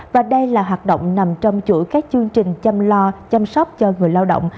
và đây là hoạt động nằm trong chuỗi các chương trình chăm lo chăm sóc cho người lao động